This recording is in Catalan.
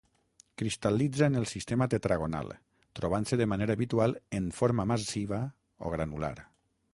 Cristal·litza en el sistema tetragonal, trobant-se de manera habitual en forma massiva o granular.